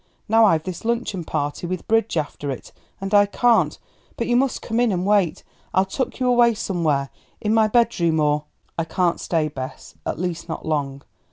Now I've this luncheon party, with bridge after it, and I can't But you must come in and wait; I'll tuck you away somewhere in my bedroom, or " "I can't stay, Bess at least not long.